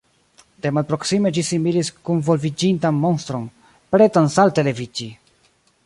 De malproksime ĝi similis kunvolviĝintan monstron, pretan salte leviĝi.